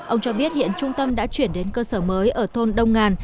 ông cho biết hiện trung tâm đã chuyển đến cơ sở mới ở thôn đông ngàn